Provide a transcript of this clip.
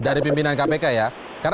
dari pimpinan kpk ya